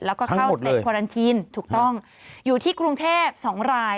แล้วก็เข้าสเต็ปควารันทีนถูกต้องอยู่ที่กรุงเทพ๒ราย